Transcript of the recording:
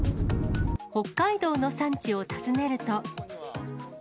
北海道の産地を訪ねると。